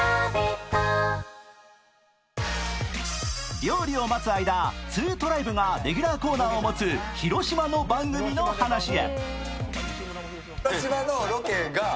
料理を待つ間、ツートライブがレギュラーコーナーを持つ広島の番組の話へ。